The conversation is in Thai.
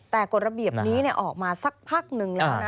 แต่กฎระเบียบนี้ออกมาสักพักหนึ่งแล้วนะ